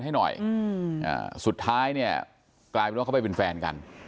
ให้หน่อยสุดท้ายเนี่ยกลายเป็นว่าเขาไปเป็นแฟนกัน